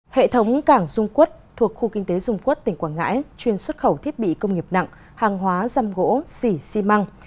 hệ thống cảng dung quất thuộc khu kinh tế dung quốc tỉnh quảng ngãi chuyên xuất khẩu thiết bị công nghiệp nặng hàng hóa răm gỗ xỉ xi măng